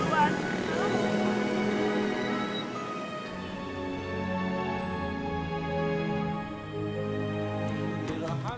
ya allah ya allah